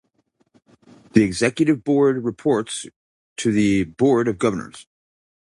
The Executive Board reports to the Board of Governors.